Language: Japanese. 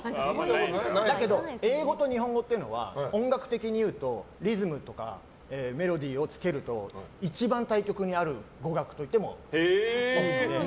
だけど英語と日本語っていうのは音楽的にいうとリズムとかメロディーをつけると一番対極にあるといってもいい。